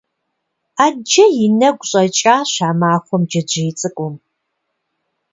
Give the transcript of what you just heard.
Ӏэджэ и нэгу щӀэкӀащ а махуэм джэджьей цӀыкӀум.